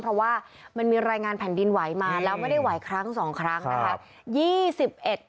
เพราะว่ามันมีรายงานแผ่นดินไหวมาแล้วไม่ได้ไหวครั้ง๒ครั้งนะคะ